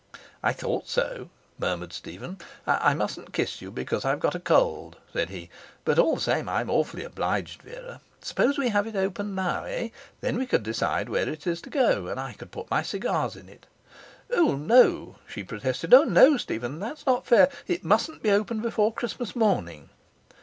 'I thought so,' murmured Stephen. 'I mustn't kiss you, because I've got a cold,' said he. 'But, all the same I'm awfully obliged, Vera. Suppose we have it opened now, eh? Then we could decide where it is to go, and I could put my cigars in it.' 'Oh no,' she protested. 'Oh no, Stephen! That's not fair! It mustn't be opened before Christmas morning.'